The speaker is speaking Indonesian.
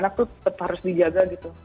anak anak itu tetep harus dijaga gitu